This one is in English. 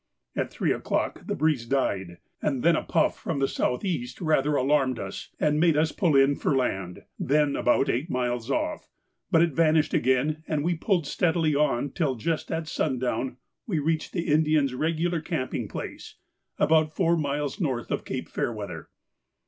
At three o'clock the breeze died, and then a puff from the south east rather alarmed us, and made us pull in for land, then about eight miles off, but it vanished again, and we pulled steadily on till just at sundown we reached the Indians' regular camping place, about four miles north of Cape Fairweather.